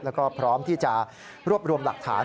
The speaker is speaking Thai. แล้วก็พร้อมที่จะรวบรวมหลักฐาน